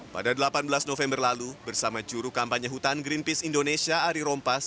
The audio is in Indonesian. pada delapan belas november lalu bersama juru kampanye hutan greenpeace indonesia ari rompas